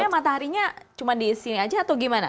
mataharinya cuma di sini aja atau gimana